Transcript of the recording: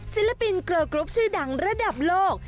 ศิลปินเกอร์กรุ๊ปชื่อดังระดับโลก